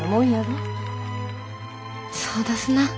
そうだすな。